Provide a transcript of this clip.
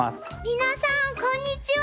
皆さんこんにちは！